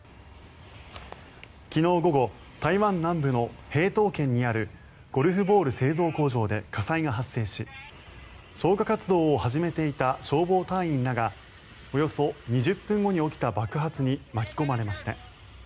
昨日午後台湾南部の屏東県にあるゴルフボール製造工場で火災が発生し消火活動を始めていた消防隊員らがおよそ２０分後に起きた爆発に巻き込まれました。